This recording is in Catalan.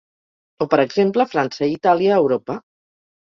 O per exemple França i Itàlia a Europa.